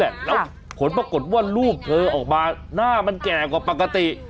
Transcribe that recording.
แล้วผลปรากฏว่ารูปเธอออกมาหน้ามันแก่กว่าปกติ